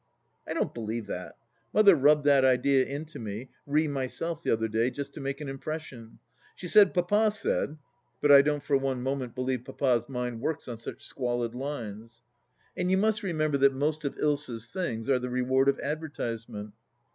I don't believe that. Mother rubbed that idea into me, re myself the other day, just to make an impression. She said Papa said — but I don't for one moment believe Papa's mind works on such squalid lines. And you must remember that most of Ilsa's things are the reward of advertisement.